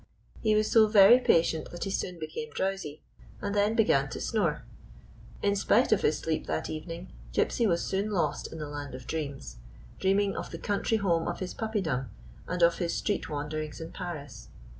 He was so very patient that he soon became drowsy, and then began to snore. In spite of his sleep that even ing, Gypsy was soon lost in the land of dreams — dreaming of the country home of his puppydom and of his street wan derings in Paris.